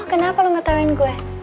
oh kenapa lo gak tauin gue